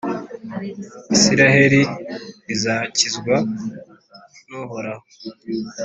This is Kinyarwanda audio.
israheli izakizwa n’uhoraho